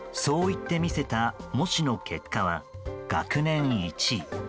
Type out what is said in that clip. そういって見せた模試の結果は、学年１位。